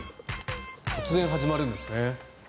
突然始まるんですね。